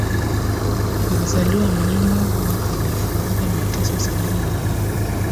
Alizaliwa mnamo mwaka wa elfu moja mia tisa sabini na nane